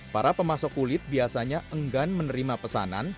para pemasok kulit biasanya enggan menerima pesanan